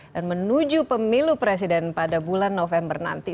dan menuju pemilu presiden pada bulan november nanti